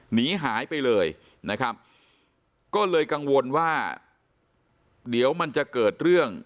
หนีหายไปเลยนะครับก็เลยกังวลว่าเดี๋ยวมันจะเกิดเรื่อง